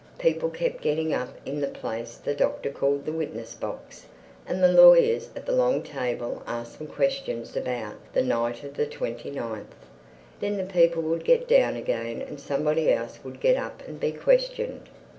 People kept getting up in the place the Doctor called the witness box, and the lawyers at the long table asked them questions about "the night of the 29th." Then the people would get down again and somebody else would get up and be questioned.